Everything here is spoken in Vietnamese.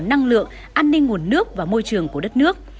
năng lượng an ninh nguồn nước và môi trường của đất nước